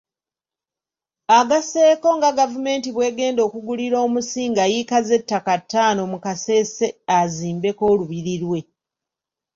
Agasseeko nga gavumenti bw'egenda okugulira Omusinga yiika z'ettaka ttaano mu Kasese azimbeko olubiri lwe.